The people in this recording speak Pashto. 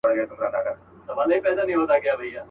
په لسگونو انسانان یې وه وژلي.